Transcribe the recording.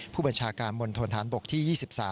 ผู้บัญชาการมณฑนฐานบกที่๒๓